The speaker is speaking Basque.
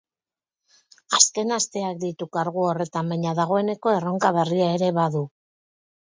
Azken asteak ditu kargu horretan, baina dagoneko erronka berria ere badu.